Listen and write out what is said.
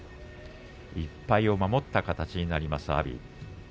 １敗を守った形になりました阿炎。